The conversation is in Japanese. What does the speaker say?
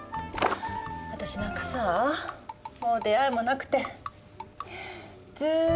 私なんかさあもう出会いもなくてずっと孤独なのよ。